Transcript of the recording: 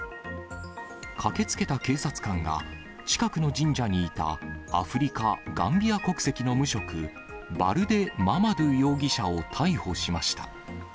駆けつけた警察官が近くの神社にいたアフリカ・ガンビア国籍の無職、バルデ・ママドゥ容疑者を逮捕しました。